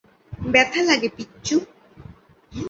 ব্যথা লাগে, পিচ্চু।